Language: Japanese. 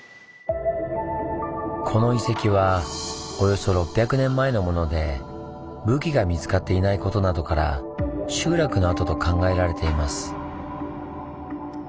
この遺跡はおよそ６００年前のもので武器が見つかっていないことなどから集落の跡と考えられています。